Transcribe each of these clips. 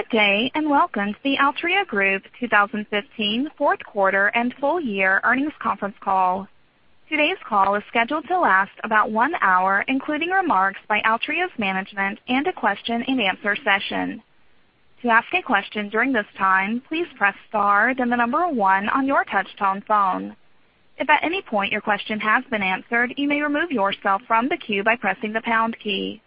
Good day, and welcome to the Altria Group 2015 fourth quarter and full year earnings conference call. Today's call is scheduled to last about 1 hour, including remarks by Altria's management and a question and answer session. To ask a question during this time, please press star, then the number 1 on your touchtone phone. If at any point your question has been answered, you may remove yourself from the queue by pressing the pound key.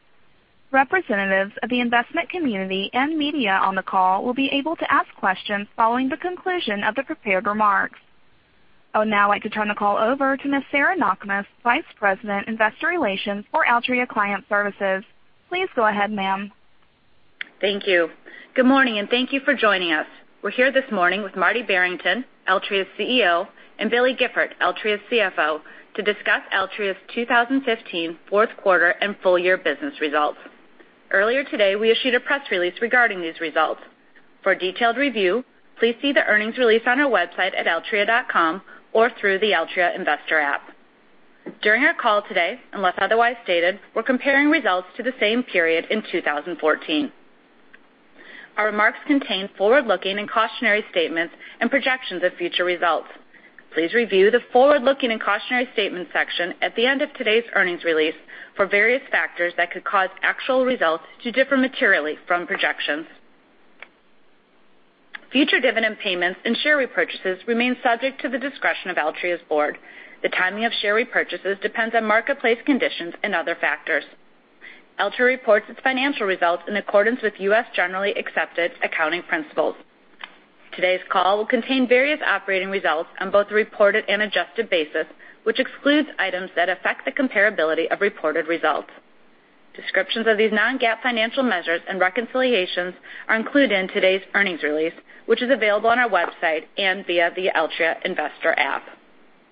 Representatives of the investment community and media on the call will be able to ask questions following the conclusion of the prepared remarks. I would now like to turn the call over to Ms. Sarah Knakmuhs, Vice President, Investor Relations for Altria Client Services. Please go ahead, ma'am. Thank you. Good morning, and thank you for joining us. We're here this morning with Marty Barrington, Altria's CEO, and Billy Gifford, Altria's CFO, to discuss Altria's 2015 fourth quarter and full year business results. Earlier today, we issued a press release regarding these results. For a detailed review, please see the earnings release on our website at altria.com or through the Altria investor app. During our call today, unless otherwise stated, we're comparing results to the same period in 2014. Our remarks contain forward-looking and cautionary statements and projections of future results. Please review the forward-looking and cautionary statement section at the end of today's earnings release for various factors that could cause actual results to differ materially from projections. Future dividend payments and share repurchases remain subject to the discretion of Altria's board. The timing of share repurchases depends on marketplace conditions and other factors. Altria reports its financial results in accordance with U.S. generally accepted accounting principles. Today's call will contain various operating results on both the reported and adjusted basis, which excludes items that affect the comparability of reported results. Descriptions of these non-GAAP financial measures and reconciliations are included in today's earnings release, which is available on our website and via the Altria investor app.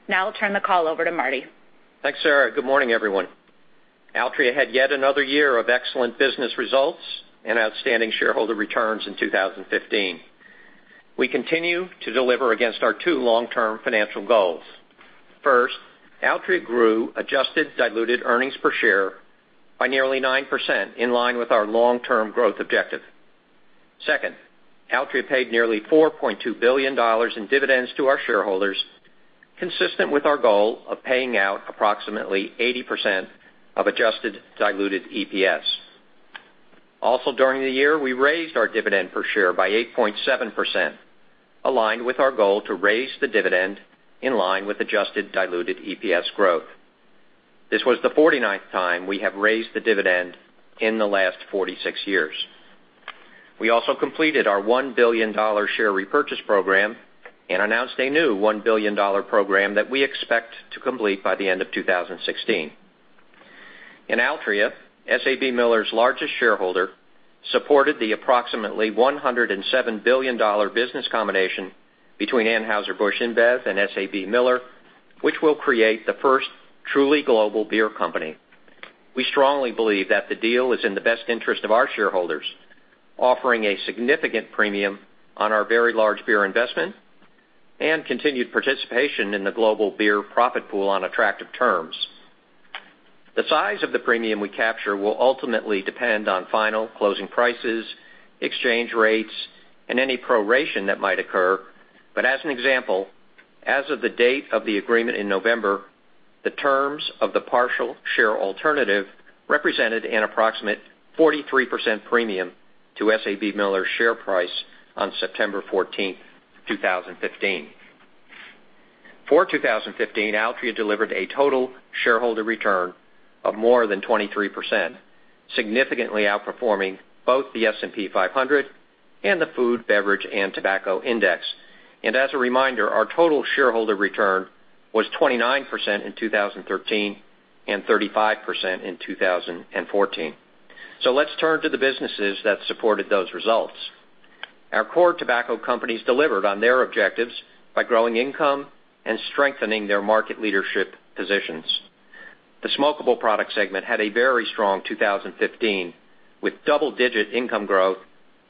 Now I'll turn the call over to Marty. Thanks, Sarah. Good morning, everyone. Altria had yet another year of excellent business results and outstanding shareholder returns in 2015. We continue to deliver against our two long-term financial goals. First, Altria grew adjusted diluted earnings per share by nearly 9%, in line with our long-term growth objective. Second, Altria paid nearly $4.2 billion in dividends to our shareholders, consistent with our goal of paying out approximately 80% of adjusted diluted EPS. Also, during the year, we raised our dividend per share by 8.7%, aligned with our goal to raise the dividend in line with adjusted diluted EPS growth. This was the 49th time we have raised the dividend in the last 46 years. We also completed our $1 billion share repurchase program and announced a new $1 billion program that we expect to complete by the end of 2016. In Altria, SABMiller's largest shareholder supported the approximately $107 billion business combination between Anheuser-Busch InBev and SABMiller, which will create the first truly global beer company. We strongly believe that the deal is in the best interest of our shareholders, offering a significant premium on our very large beer investment and continued participation in the global beer profit pool on attractive terms. The size of the premium we capture will ultimately depend on final closing prices, exchange rates, and any proration that might occur. As an example, as of the date of the agreement in November, the terms of the Partial Share Alternative represented an approximate 43% premium to SABMiller's share price on September 14th, 2015. For 2015, Altria delivered a total shareholder return of more than 23%, significantly outperforming both the S&P 500 and the S&P 500 Food Beverage & Tobacco Index. As a reminder, our total shareholder return was 29% in 2013 and 35% in 2014. Let's turn to the businesses that supported those results. Our core tobacco companies delivered on their objectives by growing income and strengthening their market leadership positions. The smokable product segment had a very strong 2015, with double-digit income growth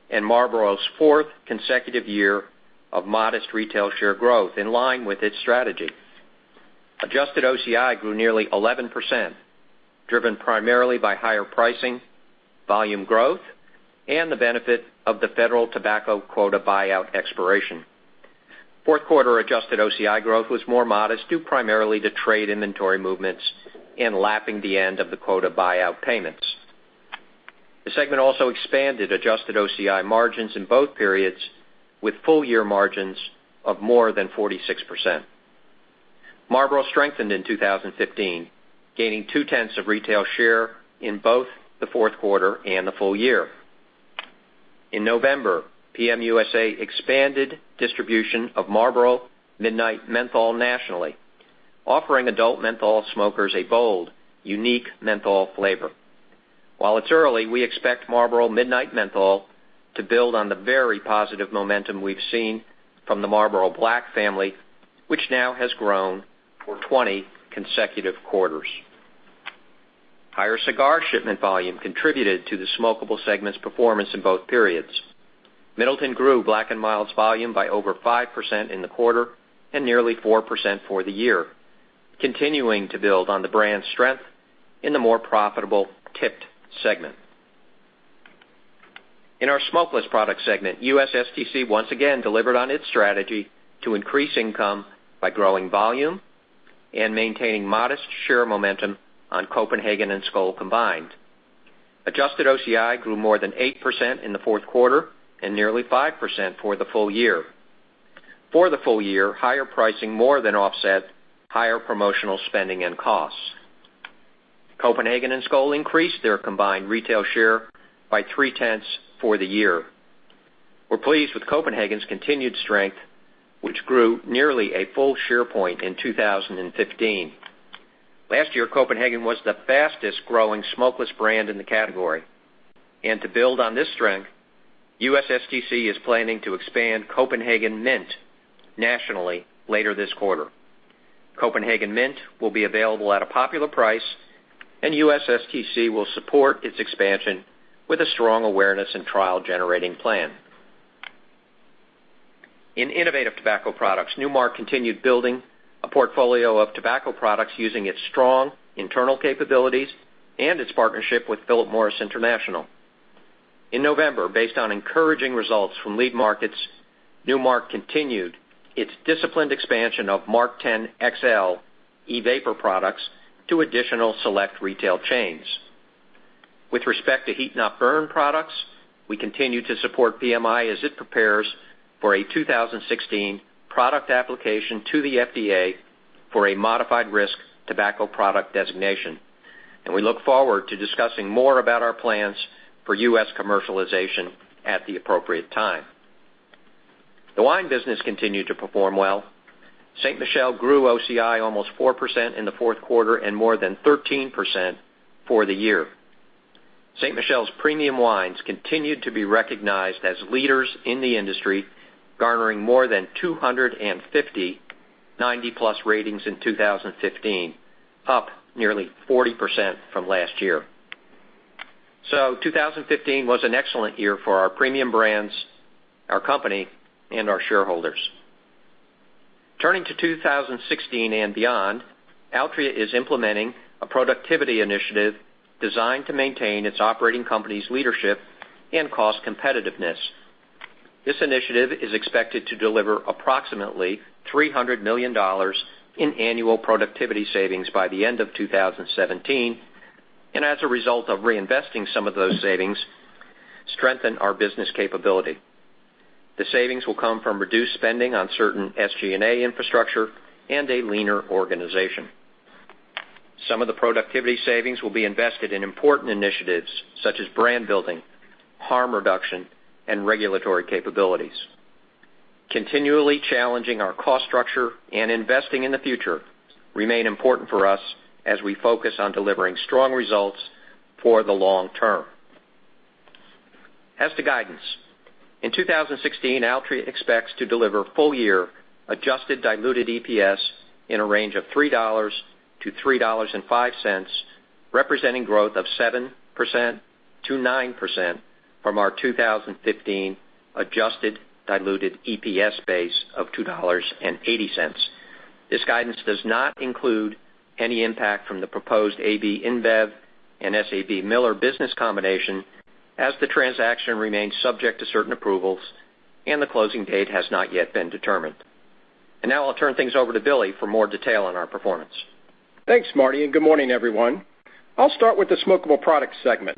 and Marlboro's fourth consecutive year of modest retail share growth in line with its strategy. adjusted OCI grew nearly 11%, driven primarily by higher pricing, volume growth, and the benefit of the federal tobacco quota buyout expiration. Fourth quarter adjusted OCI growth was more modest, due primarily to trade inventory movements and lapping the end of the quota buyout payments. The segment also expanded adjusted OCI margins in both periods with full year margins of more than 46%. Marlboro strengthened in 2015, gaining two-tenths of retail share in both the fourth quarter and the full year. In November, PM USA expanded distribution of Marlboro Midnight Menthol nationally, offering adult menthol smokers a bold, unique menthol flavor. While it's early, we expect Marlboro Midnight Menthol to build on the very positive momentum we've seen from the Marlboro Black family, which now has grown for 20 consecutive quarters. Higher cigar shipment volume contributed to the smokable segment's performance in both periods. Middleton grew Black & Mild's volume by over 5% in the quarter and nearly 4% for the year. Continuing to build on the brand's strength in the more profitable tipped segment. In our smokeless product segment, USSTC once again delivered on its strategy to increase income by growing volume and maintaining modest share momentum on Copenhagen and Skoal combined. adjusted OCI grew more than 8% in the fourth quarter and nearly 5% for the full year. For the full year, higher pricing more than offset higher promotional spending and costs. Copenhagen and Skoal increased their combined retail share by three-tenths for the year. We're pleased with Copenhagen's continued strength, which grew nearly a full share point in 2015. Last year, Copenhagen was the fastest-growing smokeless brand in the category. To build on this strength, USSTC is planning to expand Copenhagen Mint nationally later this quarter. Copenhagen Mint will be available at a popular price, and USSTC will support its expansion with a strong awareness and trial generating plan. In innovative tobacco products, Nu Mark continued building a portfolio of tobacco products using its strong internal capabilities and its partnership with Philip Morris International. In November, based on encouraging results from lead markets, Nu Mark continued its disciplined expansion of MarkTen XL e-vapor products to additional select retail chains. With respect to heat-not-burn products, we continue to support PMI as it prepares for a 2016 product application to the FDA for a modified risk tobacco product designation. We look forward to discussing more about our plans for U.S. commercialization at the appropriate time. The wine business continued to perform well. Ste. Michelle grew OCI almost 4% in the fourth quarter and more than 13% for the year. Ste. Michelle's premium wines continued to be recognized as leaders in the industry, garnering more than 250 90+ ratings in 2015, up nearly 40% from last year. 2015 was an excellent year for our premium brands, our company, and our shareholders. Turning to 2016 and beyond, Altria is implementing a productivity initiative designed to maintain its operating company's leadership and cost competitiveness. This initiative is expected to deliver approximately $300 million in annual productivity savings by the end of 2017, and as a result of reinvesting some of those savings, strengthen our business capability. The savings will come from reduced spending on certain SG&A infrastructure and a leaner organization. Some of the productivity savings will be invested in important initiatives such as brand building, harm reduction, and regulatory capabilities. Continually challenging our cost structure and investing in the future remain important for us as we focus on delivering strong results for the long term. As to guidance, in 2016, Altria expects to deliver full-year adjusted diluted EPS in a range of $3-$3.05, representing growth of 7%-9% from our 2015 adjusted diluted EPS base of $2.80. This guidance does not include any impact from the proposed AB InBev and SABMiller business combination, as the transaction remains subject to certain approvals, and the closing date has not yet been determined. Now I'll turn things over to Billy for more detail on our performance. Thanks, Marty, and good morning, everyone. I'll start with the smokable products segment.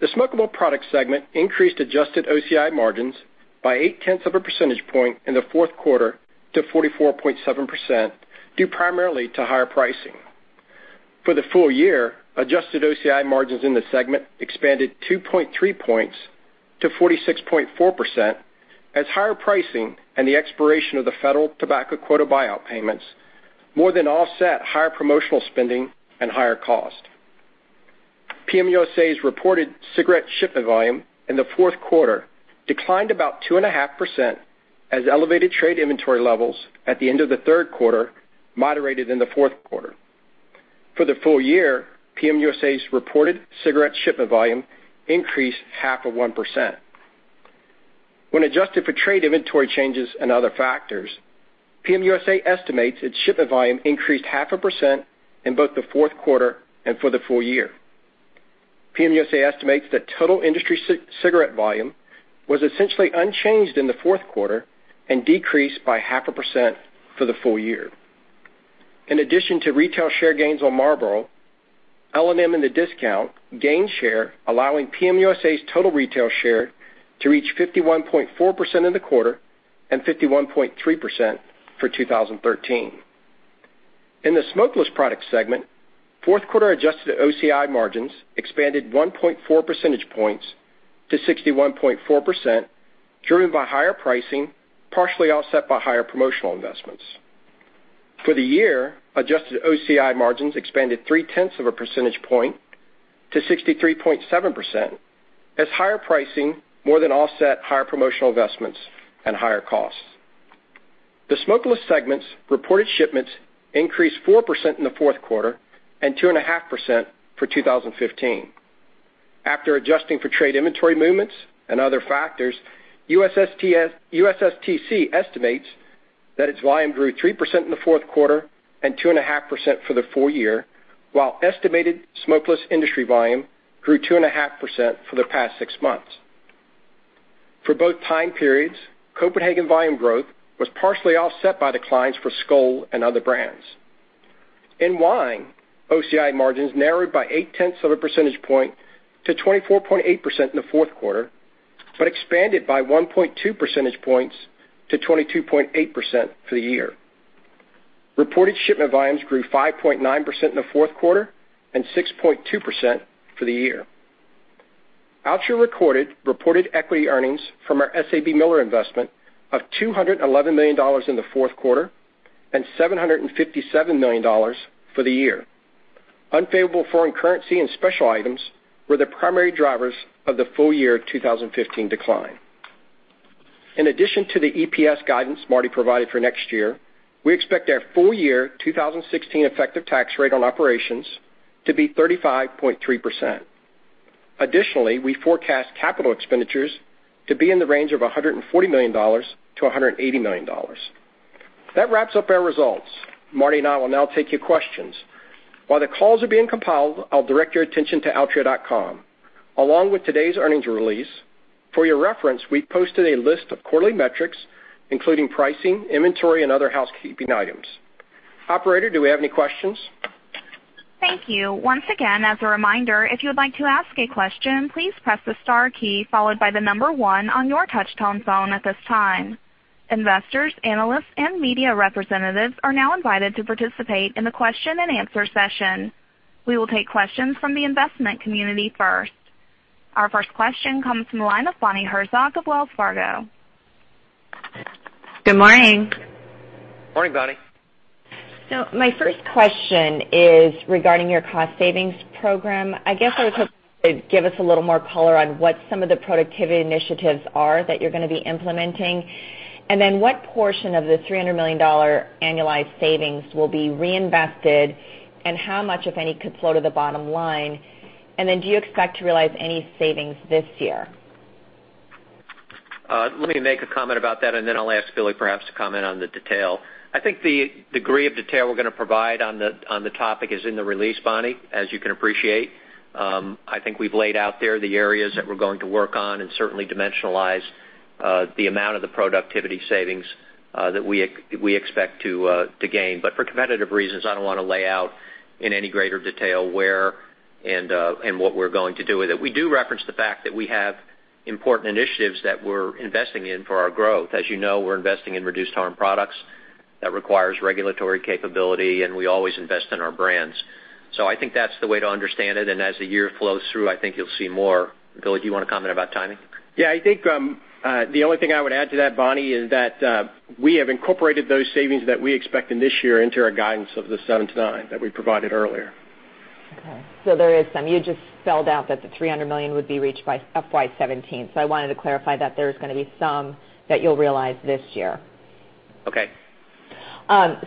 The smokable products segment increased adjusted OCI margins by eight-tenths of a percentage point in the fourth quarter to 44.7%, due primarily to higher pricing. For the full year, adjusted OCI margins in the segment expanded 2.3 points to 46.4% as higher pricing and the expiration of the federal tobacco quota buyout payments more than offset higher promotional spending and higher cost. PM USA's reported cigarette shipment volume in the fourth quarter declined about 2.5% as elevated trade inventory levels at the end of the third quarter moderated in the fourth quarter. For the full year, PM USA's reported cigarette shipment volume increased half of 1%. When adjusted for trade inventory changes and other factors, PM USA estimates its shipment volume increased half a percent in both the fourth quarter and for the full year. PM USA estimates that total industry cigarette volume was essentially unchanged in the fourth quarter and decreased by half a percent for the full year. In addition to retail share gains on Marlboro, L&M in the discount gained share, allowing PM USA's total retail share to reach 51.4% in the quarter and 51.3% for 2015. In the smokeless products segment, fourth quarter adjusted OCI margins expanded 1.4 percentage points to 61.4%, driven by higher pricing, partially offset by higher promotional investments. For the year, adjusted OCI margins expanded three-tenths of a percentage point to 63.7% as higher pricing more than offset higher promotional investments and higher costs. The smokeless segment's reported shipments increased 4% in the fourth quarter and 2.5% for 2015. After adjusting for trade inventory movements and other factors, USSTC estimates that its volume grew 3% in the fourth quarter and 2.5% for the full year, while estimated smokeless industry volume grew 2.5% for the past six months. For both time periods, Copenhagen volume growth was partially offset by declines for Skoal and other brands. In wine, OCI margins narrowed by 0.8% to 24.8% in the fourth quarter, but expanded by 1.2 percentage points to 22.8% for the year. Reported shipment volumes grew 5.9% in the fourth quarter and 6.2% for the year. Altria recorded reported equity earnings from our SABMiller investment of $211 million in the fourth quarter and $757 million for the year. Unfavorable foreign currency and special items were the primary drivers of the full year 2015 decline. In addition to the EPS guidance Marty provided for next year, we expect our full year 2016 effective tax rate on operations to be 35.3%. Additionally, we forecast capital expenditures to be in the range of $140 million-$180 million. That wraps up our results. Marty and I will now take your questions. While the calls are being compiled, I'll direct your attention to altria.com. Along with today's earnings release, for your reference, we've posted a list of quarterly metrics, including pricing, inventory, and other housekeeping items. Operator, do we have any questions? Thank you. Once again, as a reminder, if you would like to ask a question, please press the star key followed by the number 1 on your touchtone phone at this time. Investors, analysts, and media representatives are now invited to participate in the question and answer session. We will take questions from the investment community first. Our first question comes from the line of Bonnie Herzog of Wells Fargo. Good morning. Morning, Bonnie. My first question is regarding your cost savings program. I guess I was hoping you could give us a little more color on what some of the productivity initiatives are that you're going to be implementing. What portion of the $300 million annualized savings will be reinvested, and how much, if any, could flow to the bottom line. Do you expect to realize any savings this year? Let me make a comment about that, and then I'll ask Billy perhaps to comment on the detail. I think the degree of detail we're going to provide on the topic is in the release, Bonnie, as you can appreciate. I think we've laid out there the areas that we're going to work on and certainly dimensionalize the amount of the productivity savings that we expect to gain. For competitive reasons, I don't want to lay out in any greater detail where and what we're going to do with it. We do reference the fact that we have important initiatives that we're investing in for our growth. As you know, we're investing in reduced harm products. That requires regulatory capability, and we always invest in our brands. I think that's the way to understand it, and as the year flows through, I think you'll see more. Billy, do you want to comment about timing? I think the only thing I would add to that, Bonnie, is that we have incorporated those savings that we expect in this year into our guidance of the seven to nine that we provided earlier. There is some. You just spelled out that the $300 million would be reached by FY 2017, I wanted to clarify that there's going to be some that you'll realize this year. Okay.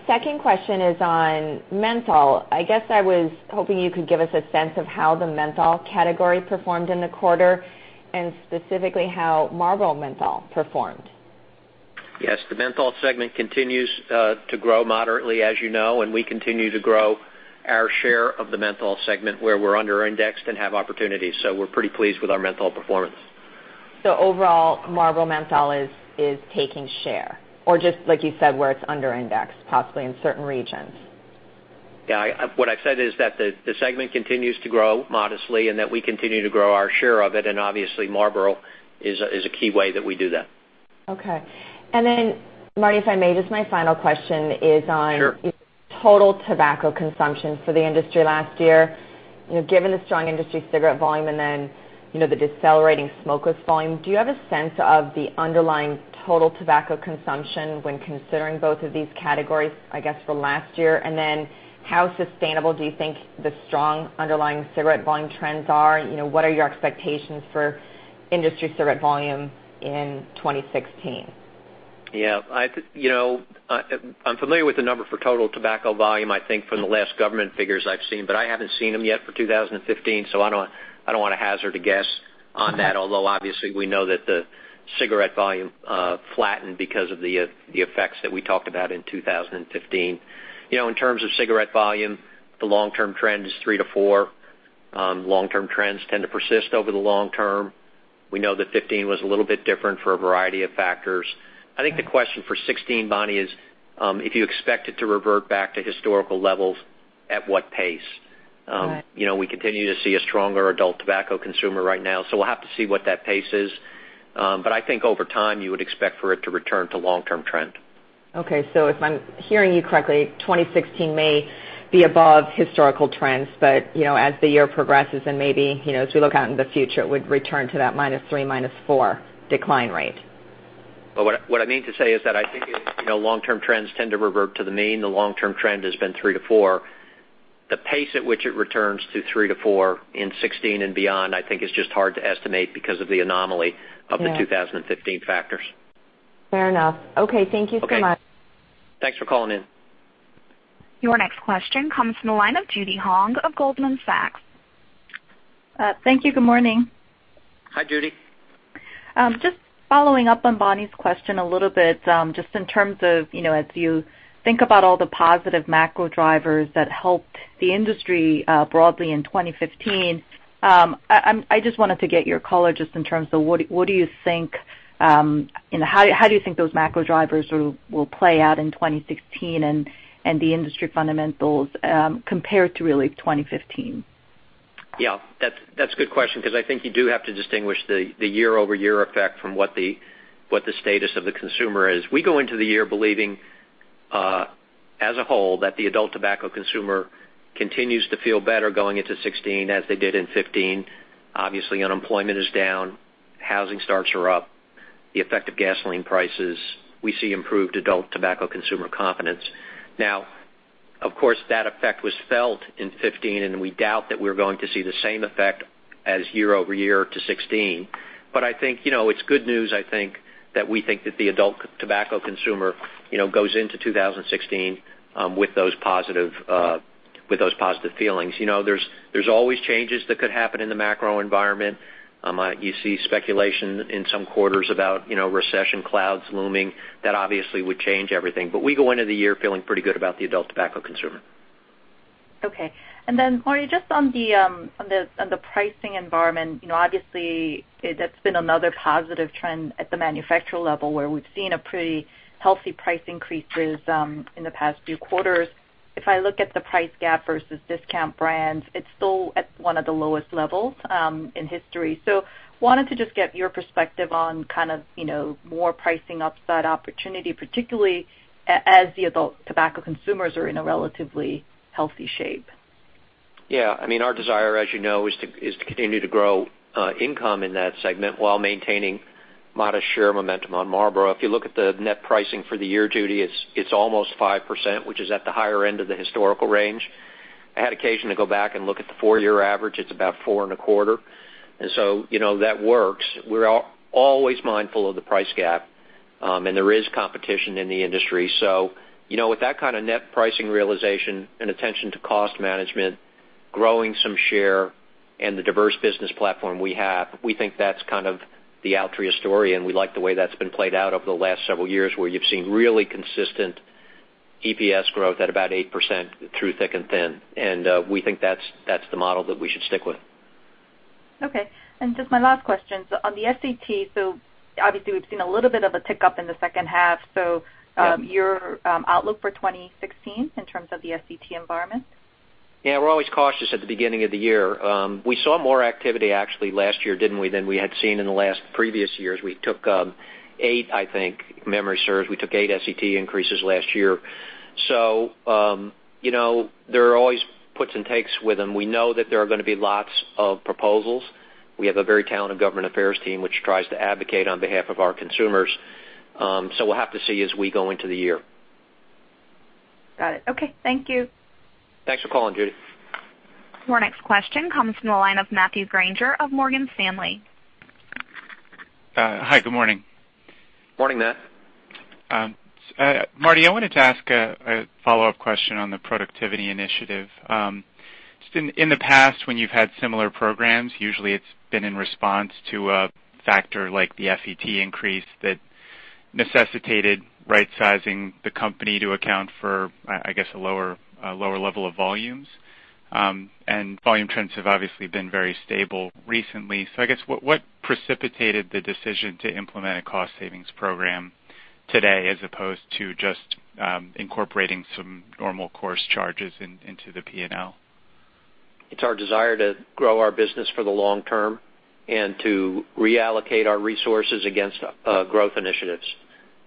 Second question is on menthol. I guess I was hoping you could give us a sense of how the menthol category performed in the quarter, and specifically how Marlboro Menthol performed. The menthol segment continues to grow moderately, as you know, we continue to grow our share of the menthol segment where we're under-indexed and have opportunities. We're pretty pleased with our menthol performance. overall, Marlboro Menthol is taking share, or just, like you said, where it's under-indexed, possibly in certain regions. Yeah. What I've said is that the segment continues to grow modestly and that we continue to grow our share of it, and obviously Marlboro is a key way that we do that. Okay. Marty, if I may, just my final question is on. Sure total tobacco consumption for the industry last year. Given the strong industry cigarette volume and then the decelerating smokeless volume, do you have a sense of the underlying total tobacco consumption when considering both of these categories, I guess, for last year? How sustainable do you think the strong underlying cigarette volume trends are? What are your expectations for industry cigarette volume in 2016? Yeah. I'm familiar with the number for total tobacco volume, I think from the last government figures I've seen, but I haven't seen them yet for 2015, so I don't want to hazard a guess on that. Although obviously, we know that the cigarette volume flattened because of the effects that we talked about in 2015. In terms of cigarette volume, the long-term trend is three to four. Long-term trends tend to persist over the long term. We know that 2015 was a little bit different for a variety of factors. I think the question for 2016, Bonnie, is if you expect it to revert back to historical levels, at what pace? Right. We continue to see a stronger adult tobacco consumer right now. We'll have to see what that pace is. I think over time, you would expect for it to return to long-term trend. Okay. If I'm hearing you correctly, 2016 may be above historical trends, but as the year progresses and maybe as we look out into the future, it would return to that minus three, minus four decline rate. What I mean to say is that I think long-term trends tend to revert to the mean. The long-term trend has been three to four. The pace at which it returns to three to four in 2016 and beyond, I think is just hard to estimate because of the anomaly of the 2015 factors. Fair enough. Okay, thank you so much. Okay. Thanks for calling in. Your next question comes from the line of Judy Hong of Goldman Sachs. Thank you. Good morning. Hi, Judy. Just following up on Bonnie's question a little bit, just in terms of as you think about all the positive macro drivers that helped the industry broadly in 2015, I just wanted to get your color just in terms of how do you think those macro drivers will play out in 2016 and the industry fundamentals compared to really 2015? Yeah, that's a good question, because I think you do have to distinguish the year-over-year effect from what the status of the consumer is. We go into the year believing, as a whole, that the adult tobacco consumer continues to feel better going into 2016 as they did in 2015. Obviously, unemployment is down, housing starts are up. The effect of gasoline prices, we see improved adult tobacco consumer confidence. Now, of course, that effect was felt in 2015, and we doubt that we're going to see the same effect as year-over-year to 2016. I think it's good news, I think, that we think that the adult tobacco consumer goes into 2016 with those positive feelings. There's always changes that could happen in the macro environment. You see speculation in some quarters about recession clouds looming. That obviously would change everything. We go into the year feeling pretty good about the adult tobacco consumer. Okay. Marty, just on the pricing environment, obviously, that's been another positive trend at the manufacturer level, where we've seen a pretty healthy price increase through in the past few quarters. If I look at the price gap versus discount brands, it's still at one of the lowest levels in history. Wanted to just get your perspective on more pricing upside opportunity, particularly as the adult tobacco consumers are in a relatively healthy shape. Yeah. Our desire, as you know, is to continue to grow income in that segment while maintaining modest share momentum on Marlboro. If you look at the net pricing for the year, Judy, it's almost 5%, which is at the higher end of the historical range. I had occasion to go back and look at the four-year average. It's about four and a quarter. That works. We're always mindful of the price gap. There is competition in the industry. With that kind of net pricing realization and attention to cost management, growing some share and the diverse business platform we have, we think that's kind of the Altria story, and we like the way that's been played out over the last several years, where you've seen really consistent EPS growth at about 8% through thick and thin. We think that's the model that we should stick with. Okay. Just my last question. On the SET, obviously we've seen a little bit of a tick-up in the second half. Your outlook for 2016 in terms of the SET environment? Yeah, we're always cautious at the beginning of the year. We saw more activity actually last year, didn't we, than we had seen in the last previous years. If memory serves, we took eight SET increases last year. There are always puts and takes with them. We know that there are going to be lots of proposals. We have a very talented government affairs team, which tries to advocate on behalf of our consumers. We'll have to see as we go into the year. Got it. Okay. Thank you. Thanks for calling, Judy. Your next question comes from the line of Matthew Grainger of Morgan Stanley. Hi, good morning. Morning, Matt. Marty, I wanted to ask a follow-up question on the productivity initiative. Just in the past when you've had similar programs, usually it's been in response to a factor like the FET increase that necessitated right-sizing the company to account for, I guess, a lower level of volumes. Volume trends have obviously been very stable recently. I guess what precipitated the decision to implement a cost savings program today as opposed to just incorporating some normal course charges into the P&L? It's our desire to grow our business for the long term and to reallocate our resources against growth initiatives.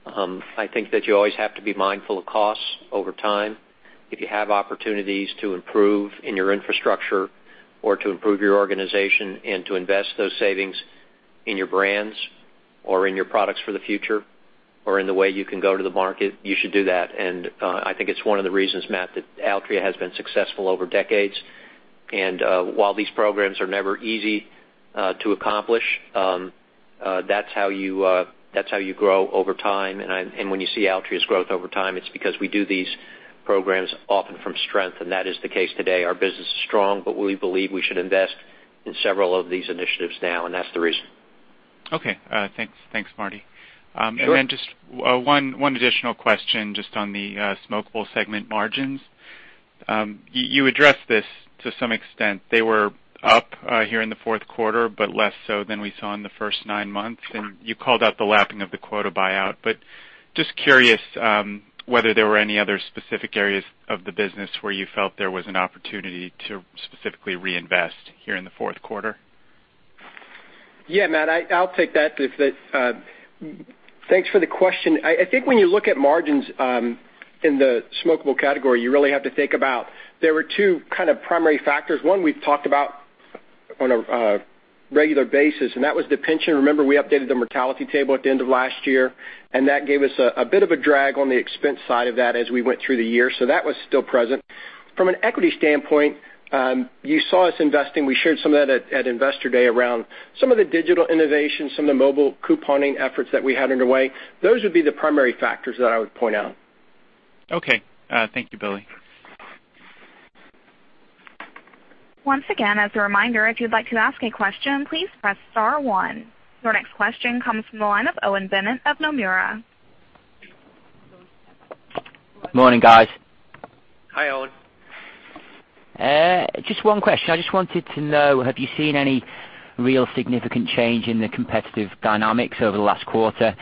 I think that you always have to be mindful of costs over time. If you have opportunities to improve in your infrastructure or to improve your organization and to invest those savings in your brands or in your products for the future or in the way you can go to the market, you should do that. I think it's one of the reasons, Matt, that Altria has been successful over decades. While these programs are never easy to accomplish, that's how you grow over time. When you see Altria's growth over time, it's because we do these programs often from strength, and that is the case today. Our business is strong, we believe we should invest in several of these initiatives now, and that's the reason. Okay. Thanks, Marty. Sure. Just one additional question, just on the smokeable segment margins. You addressed this to some extent. They were up here in the fourth quarter, but less so than we saw in the first nine months. You called out the lapping of the quota buyout. Just curious whether there were any other specific areas of the business where you felt there was an opportunity to specifically reinvest here in the fourth quarter. Yeah, Matt, I'll take that. Thanks for the question. I think when you look at margins in the smokeable category, you really have to think about there were two kind of primary factors. One we've talked about on a regular basis, and that was the pension. Remember we updated the mortality table at the end of last year, and that gave us a bit of a drag on the expense side of that as we went through the year. That was still present. From an equity standpoint, you saw us investing. We shared some of that at Investor Day around some of the digital innovation, some of the mobile couponing efforts that we had underway. Those would be the primary factors that I would point out. Okay. Thank you, Billy. Once again, as a reminder, if you'd like to ask a question, please press star one. Your next question comes from the line of Owen Bennett of Nomura. Morning, guys. Hi, Owen. Just one question. I just wanted to know, have you seen any real significant change in the competitive dynamics over the last quarter?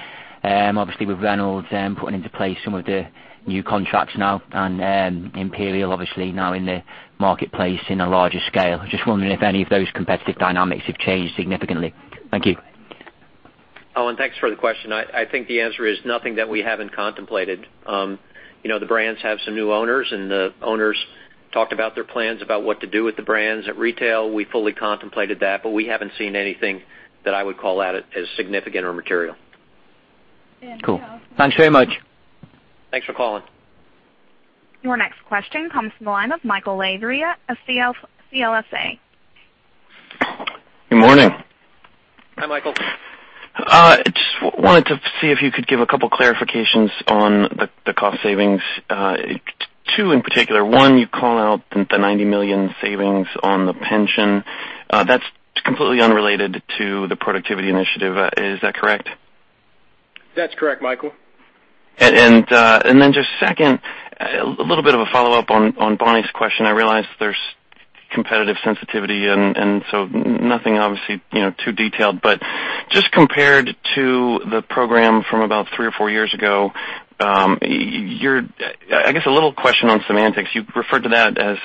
Obviously, with Reynolds putting into place some of the new contracts now, and Imperial obviously now in the marketplace in a larger scale. Just wondering if any of those competitive dynamics have changed significantly. Thank you. Owen, thanks for the question. I think the answer is nothing that we haven't contemplated. The brands have some new owners. The owners talked about their plans, about what to do with the brands at retail. We fully contemplated that. We haven't seen anything that I would call out as significant or material. Cool. Thanks very much. Thanks for calling. Your next question comes from the line of Michael Lavery of CLSA. Good morning. Hi, Michael. Just wanted to see if you could give a couple clarifications on the cost savings, two in particular. One, you call out the $90 million savings on the pension. That's completely unrelated to the productivity initiative. Is that correct? That's correct, Michael. Just second, a little bit of a follow-up on Bonnie's question. I realize there's competitive sensitivity, so nothing obviously too detailed, but just compared to the program from about three or four years ago, I guess a little question on semantics. You referred to that as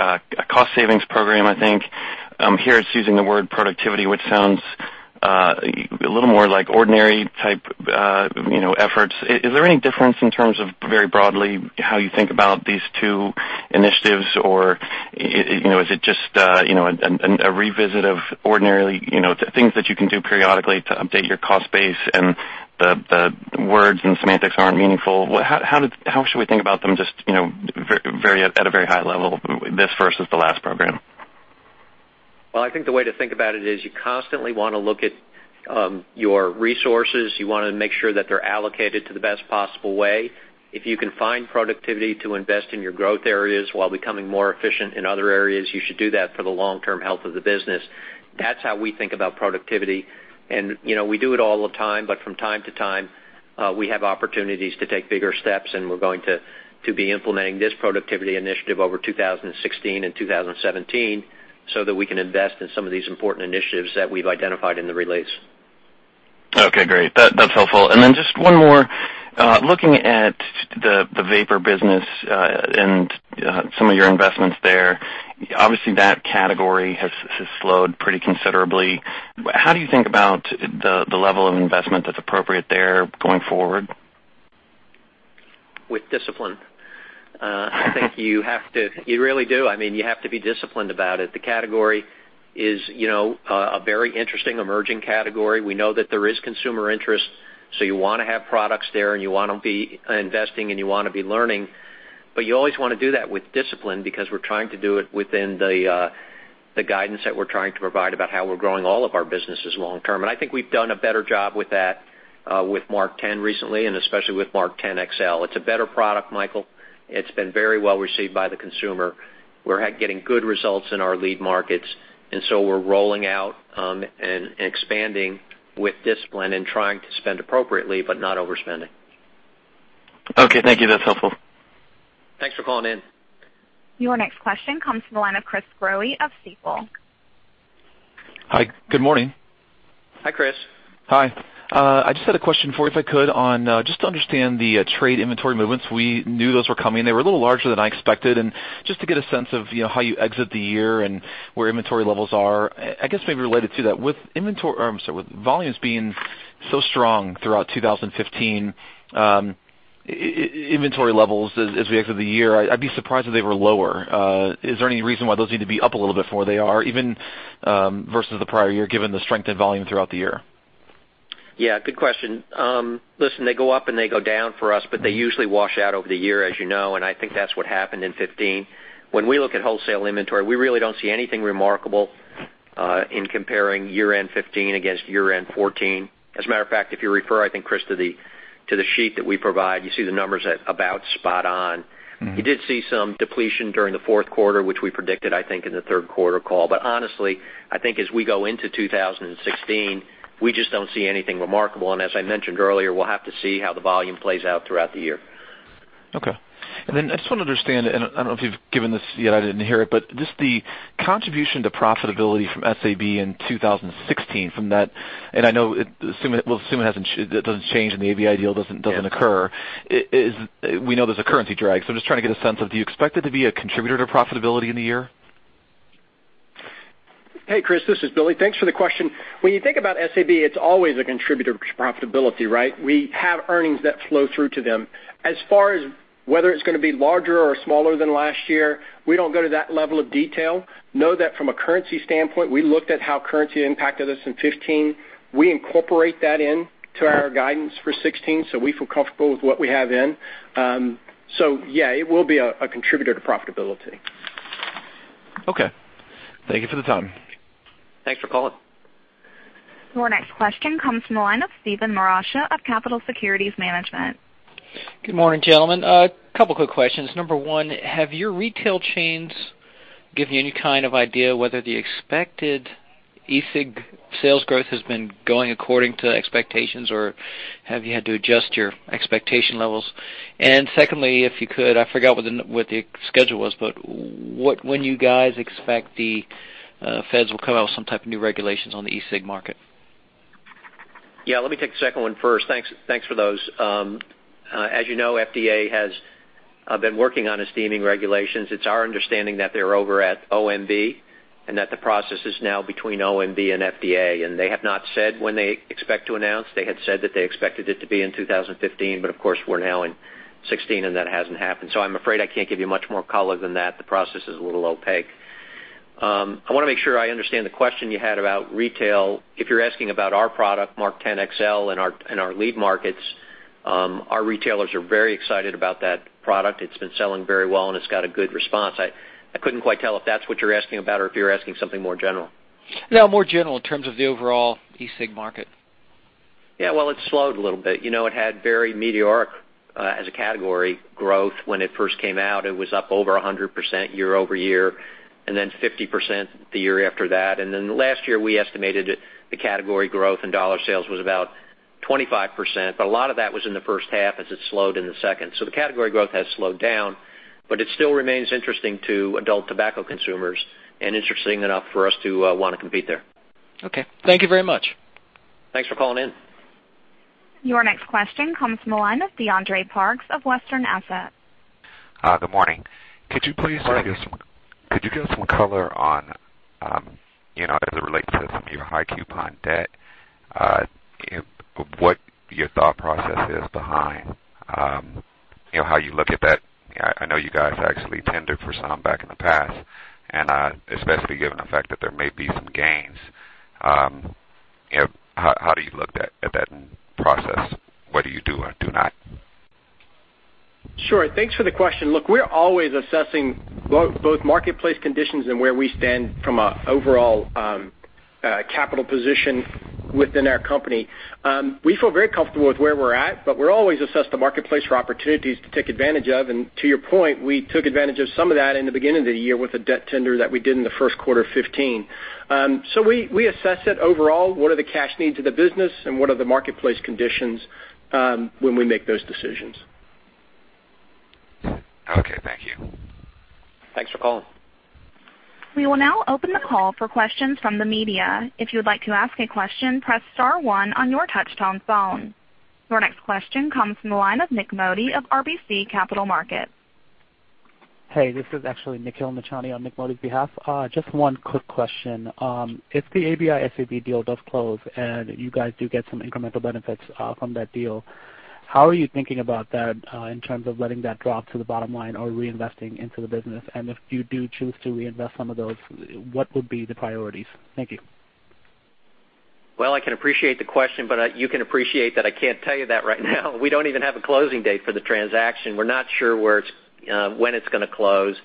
a cost savings program, I think. Here it's using the word productivity, which sounds a little more like ordinary type efforts. Is there any difference in terms of, very broadly, how you think about these two initiatives? Or is it just a revisit of ordinarily things that you can do periodically to update your cost base, and the words and semantics aren't meaningful? How should we think about them just at a very high level, this versus the last program? Well, I think the way to think about it is you constantly want to look at your resources. You want to make sure that they're allocated to the best possible way. If you can find productivity to invest in your growth areas while becoming more efficient in other areas, you should do that for the long-term health of the business. That's how we think about productivity. We do it all the time, but from time to time, we have opportunities to take bigger steps, and we're going to be implementing this productivity initiative over 2016 and 2017 so that we can invest in some of these important initiatives that we've identified in the release. Okay, great. That's helpful. Just one more. Looking at the vapor business and some of your investments there, obviously that category has slowed pretty considerably. How do you think about the level of investment that's appropriate there going forward? With discipline. I think you really do. You have to be disciplined about it. The category is a very interesting emerging category. We know that there is consumer interest, you want to have products there and you want to be investing and you want to be learning. You always want to do that with discipline because we're trying to do it within the guidance that we're trying to provide about how we're growing all of our businesses long term. I think we've done a better job with that with MarkTen recently, and especially with MarkTen XL. It's a better product, Michael. It's been very well received by the consumer. We're getting good results in our lead markets, we're rolling out and expanding with discipline and trying to spend appropriately, but not overspending. Okay, thank you. That's helpful. Thanks for calling in. Your next question comes from the line of Chris Growe of Stifel. Hi. Good morning. Hi, Chris. Hi. I just had a question for you, if I could, on just to understand the trade inventory movements. We knew those were coming. They were a little larger than I expected. Just to get a sense of how you exit the year and where inventory levels are. I guess maybe related to that, with volumes being so strong throughout 2015, inventory levels as we exit the year, I'd be surprised if they were lower. Is there any reason why those need to be up a little bit before they are, even versus the prior year, given the strength in volume throughout the year? Yeah, good question. Listen, they go up and they go down for us, they usually wash out over the year, as you know. I think that's what happened in 2015. When we look at wholesale inventory, we really don't see anything remarkable in comparing year-end 2015 against year-end 2014. As a matter of fact, if you refer, I think, Chris, to the sheet that we provide, you see the numbers at about spot on. You did see some depletion during the fourth quarter, which we predicted, I think, in the third quarter call. Honestly, I think as we go into 2016, we just don't see anything remarkable. As I mentioned earlier, we'll have to see how the volume plays out throughout the year. Okay. Then I just want to understand, I don't know if you've given this yet, I didn't hear it, just the contribution to profitability from SABMiller in 2016 from that, I know, we'll assume it doesn't change and the ABI deal doesn't occur. We know there's a currency drag, I'm just trying to get a sense of, do you expect it to be a contributor to profitability in the year? Hey, Chris, this is Billy. Thanks for the question. When you think about SABMiller, it's always a contributor to profitability, right? We have earnings that flow through to them. As far as whether it's going to be larger or smaller than last year We don't go to that level of detail. Know that from a currency standpoint, we looked at how currency impacted us in 2015. We incorporate that into our guidance for 2016, we feel comfortable with what we have in. Yeah, it will be a contributor to profitability. Okay. Thank you for the time. Thanks for calling. Your next question comes from the line of Steven Marascia of Capitol Securities Management. Good morning, gentlemen. A couple quick questions. Number 1, have your retail chains given you any kind of idea whether the expected E-cig sales growth has been going according to expectations, or have you had to adjust your expectation levels? Secondly, if you could, I forgot what the schedule was, when do you guys expect the feds will come out with some type of new regulations on the E-cig market? Yeah, let me take the second one first. Thanks for those. As you know, FDA has been working on its deeming regulations. It's our understanding that they're over at OMB and that the process is now between OMB and FDA, and they have not said when they expect to announce. They had said that they expected it to be in 2015, but of course, we're now in 2016 and that hasn't happened. I'm afraid I can't give you much more color than that. The process is a little opaque. I want to make sure I understand the question you had about retail. If you're asking about our product, MarkTen XL, in our lead markets, our retailers are very excited about that product. It's been selling very well, and it's got a good response. I couldn't quite tell if that's what you're asking about or if you're asking something more general. No, more general in terms of the overall e-cig market. Yeah, well, it slowed a little bit. It had very meteoric, as a category, growth when it first came out. It was up over 100% year-over-year, 50% the year after that. Last year, we estimated the category growth in dollar sales was about 25%, but a lot of that was in the first half as it slowed in the second. The category growth has slowed down, but it still remains interesting to adult tobacco consumers and interesting enough for us to want to compete there. Okay. Thank you very much. Thanks for calling in. Your next question comes from the line of DeAndre Parks of Western Asset. Good morning. Morning. Could you give some color on, as it relates to some of your high coupon debt, what your thought process is behind how you look at that? I know you guys actually tendered for some back in the past, and especially given the fact that there may be some gains. How do you look at that process, whether you do or do not? Sure. Thanks for the question. Look, we're always assessing both marketplace conditions and where we stand from an overall capital position within our company. We feel very comfortable with where we're at, but we always assess the marketplace for opportunities to take advantage of. To your point, we took advantage of some of that in the beginning of the year with a debt tender that we did in the first quarter of 2015. We assess it overall, what are the cash needs of the business and what are the marketplace conditions when we make those decisions. Okay, thank you. Thanks for calling. We will now open the call for questions from the media. If you would like to ask a question, press star one on your touchtone phone. Your next question comes from the line of Nik Modi of RBC Capital Markets. Hey, this is actually Nikhil Nachani on Nik Modi's behalf. Just one quick question. If the ABI SABMiller deal does close and you guys do get some incremental benefits from that deal, how are you thinking about that in terms of letting that drop to the bottom line or reinvesting into the business? If you do choose to reinvest some of those, what would be the priorities? Thank you. Well, I can appreciate the question, but you can appreciate that I can't tell you that right now. We don't even have a closing date for the transaction. We're not sure when it's going to close.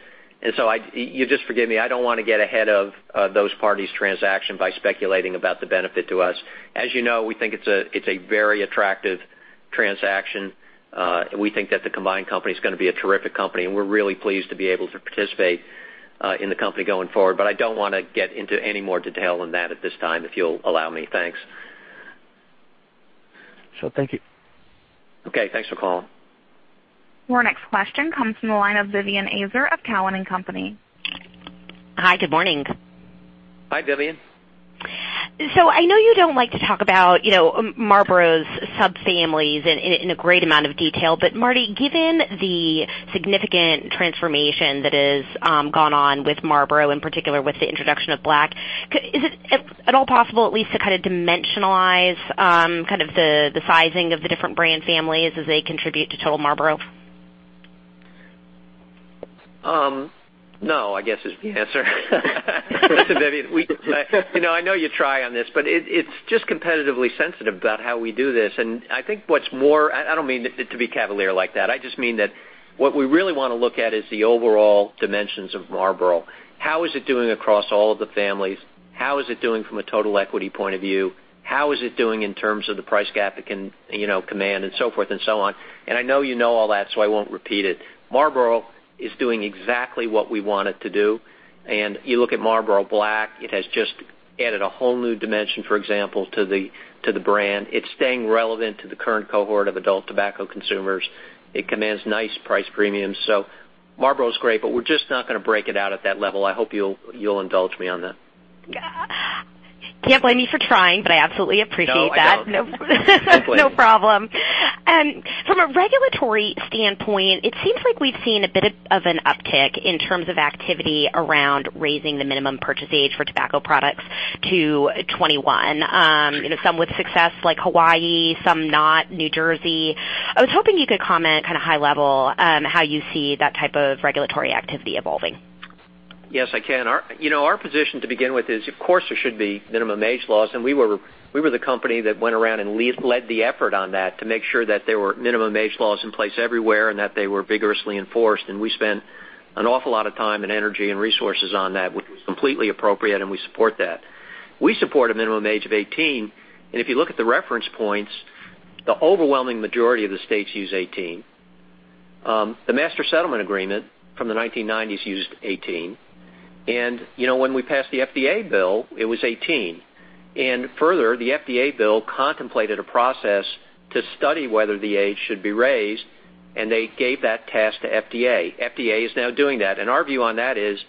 So you just forgive me, I don't want to get ahead of those parties' transaction by speculating about the benefit to us. As you know, we think it's a very attractive transaction. We think that the combined company is going to be a terrific company, and we're really pleased to be able to participate in the company going forward. I don't want to get into any more detail than that at this time, if you'll allow me. Thanks. Sure. Thank you. Okay, thanks for calling. Your next question comes from the line of Vivian Azer of Cowen and Company. Hi. Good morning. Hi, Vivian. I know you don't like to talk about Marlboro's subfamilies in a great amount of detail. Marty, given the significant transformation that has gone on with Marlboro, in particular with the introduction of Black, is it at all possible at least to kind of dimensionalize the sizing of the different brand families as they contribute to total Marlboro? No, I guess is the answer. I know you try on this, but it's just competitively sensitive about how we do this. I don't mean it to be cavalier like that. I just mean that what we really want to look at is the overall dimensions of Marlboro. How is it doing across all of the families? How is it doing from a total equity point of view? How is it doing in terms of the price gap it can command and so forth and so on? I know you know all that, so I won't repeat it. Marlboro is doing exactly what we want it to do. You look at Marlboro Black, it has just added a whole new dimension, for example, to the brand. It's staying relevant to the current cohort of adult tobacco consumers. It commands nice price premiums. Marlboro's great, but we're just not going to break it out at that level. I hope you'll indulge me on that. Can't blame you for trying, but I absolutely appreciate that. No, I don't. No problem. From a regulatory standpoint, it seems like we've seen a bit of an uptick in terms of activity around raising the minimum purchase age for tobacco products to 21. Some with success like Hawaii, some not, New Jersey. I was hoping you could comment kind of high level how you see that type of regulatory activity evolving. Yes, I can. Our position to begin with is, of course, there should be minimum age laws, and we were the company that went around and led the effort on that to make sure that there were minimum age laws in place everywhere and that they were vigorously enforced. We spent an awful lot of time and energy and resources on that, which was completely appropriate, and we support that. We support a minimum age of 18, and if you look at the reference points, the overwhelming majority of the states use 18. The Master Settlement Agreement from the 1990s used 18. When we passed the FDA bill, it was 18. Further, the FDA bill contemplated a process to study whether the age should be raised, and they gave that task to FDA. FDA is now doing that. Our view on that is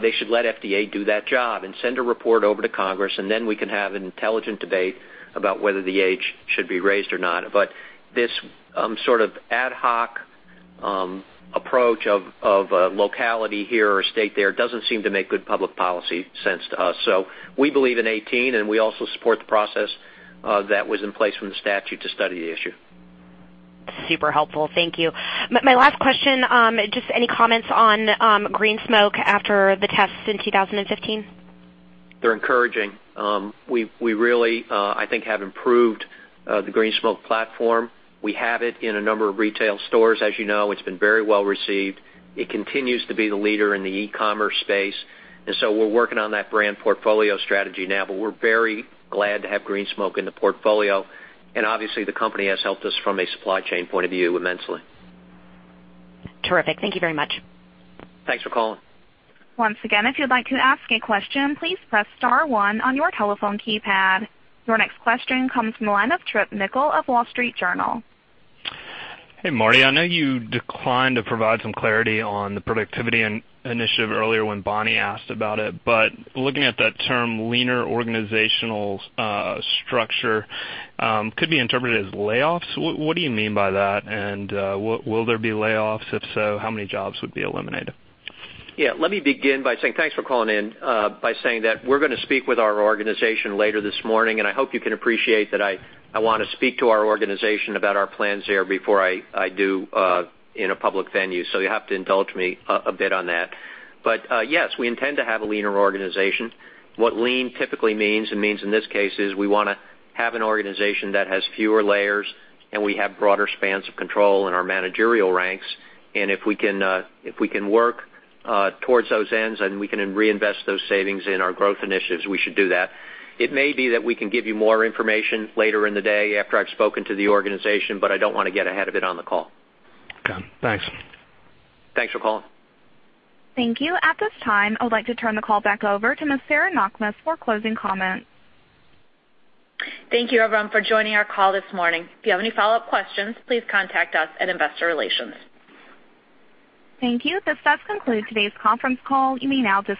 they should let FDA do that job and send a report over to Congress, and then we can have an intelligent debate about whether the age should be raised or not. This sort of ad hoc approach of a locality here or state there doesn't seem to make good public policy sense to us. We believe in 18, and we also support the process that was in place from the statute to study the issue. Super helpful. Thank you. My last question, just any comments on Green Smoke after the tests in 2015? They're encouraging. We really, I think, have improved the Green Smoke platform. We have it in a number of retail stores, as you know. It's been very well-received. It continues to be the leader in the e-commerce space. We're working on that brand portfolio strategy now, but we're very glad to have Green Smoke in the portfolio. Obviously, the company has helped us from a supply chain point of view immensely. Terrific. Thank you very much. Thanks for calling. Once again, if you'd like to ask a question, please press star one on your telephone keypad. Your next question comes from the line of Tripp Mickle of The Wall Street Journal. Hey, Marty. I know you declined to provide some clarity on the productivity initiative earlier when Bonnie asked about it, looking at that term, leaner organizational structure, could be interpreted as layoffs. What do you mean by that? Will there be layoffs? If so, how many jobs would be eliminated? Let me begin by saying thanks for calling in, by saying that we're going to speak with our organization later this morning, I hope you can appreciate that I want to speak to our organization about our plans here before I do in a public venue, you have to indulge me a bit on that. Yes, we intend to have a leaner organization. What lean typically means, it means in this case, is we want to have an organization that has fewer layers and we have broader spans of control in our managerial ranks. If we can work towards those ends and we can reinvest those savings in our growth initiatives, we should do that. It may be that we can give you more information later in the day after I've spoken to the organization, I don't want to get ahead of it on the call. Okay. Thanks. Thanks for calling. Thank you. At this time, I would like to turn the call back over to Ms. Sarah Knakmuhs for closing comments. Thank you, everyone, for joining our call this morning. If you have any follow-up questions, please contact us at Investor Relations. Thank you. This does conclude today's conference call. You may now disconnect.